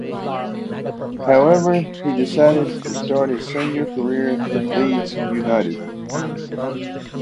However, he decided to start his senior career at Leeds United.